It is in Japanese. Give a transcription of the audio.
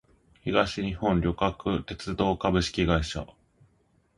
東日本旅客鉄道株式会社